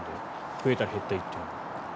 増えた、減ったっていうのは。